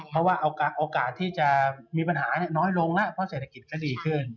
เพราะว่าโอกาสที่จะมีปัญหาน้อยลงแล้วเพราะเศรษฐกิจก็ดีขึ้น